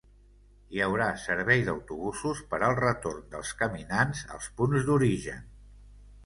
Hi haurà servei d’autobusos per al retorn dels caminants als punts d’origen.